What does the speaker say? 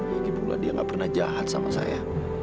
lagi pula dia gak pernah jahat sama saya